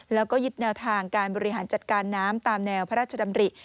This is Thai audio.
แล้วก็ยึดแนวทางการบริหารจัดการน้ำตามแนวพระราชดำริ